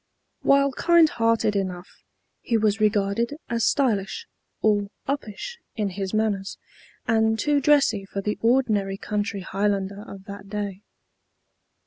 While kind hearted enough, he was regarded as stylish, or uppish in his manners, and too dressy for the ordinary country Highlander of that day.